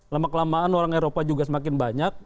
lama kelamaan orang eropa juga semakin banyak